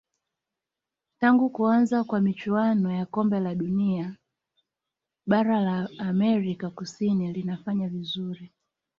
tangu kuanza kwa michuano ya kombe la dunia bara la amerika kusini linafanya vizuri